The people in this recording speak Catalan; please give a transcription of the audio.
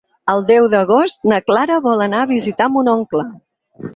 El deu d'agost na Clara vol anar a visitar mon oncle.